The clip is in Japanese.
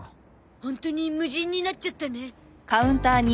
ホントに無人になっちゃったね。